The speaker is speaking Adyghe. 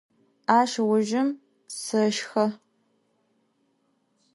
Aş ıujjım seşşxe.